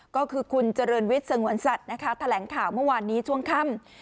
ก็คือคุณเจริญวิทย์สงวนสัตว์นะคะแถลงข่าวเมื่อวานนี้ช่วงค่ำ